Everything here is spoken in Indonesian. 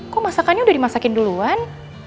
kok masakannya udah dimasakin duluan